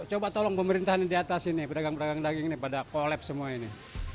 coba tolong pemerintahan di atas ini pedagang pedagang daging ini pada kolap semua ini